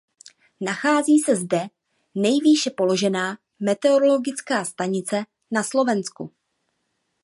Nachází se zde nejvýše položená meteorologická stanice na Slovensku.